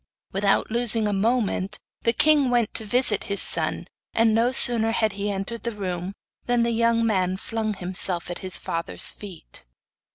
Without losing a moment the king went to visit his son, and no sooner had he entered the room than the young man flung himself at his father's feet.